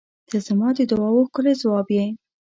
ته زما د دعاوو ښکلی ځواب یې.